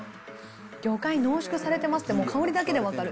魚介濃縮されてますって、もう香りだけで分かる。